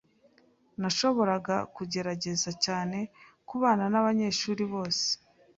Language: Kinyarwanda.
Nashoboraga kugerageza cyane kubana nabanyeshuri bose.